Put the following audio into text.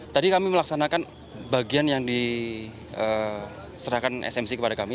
tadi kami melaksanakan bagian yang diserahkan smc kepada kami